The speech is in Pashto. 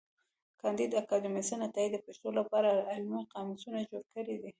کانديد اکاډميسن عطايي د پښتو له پاره علمي قاموسونه جوړ کړي دي.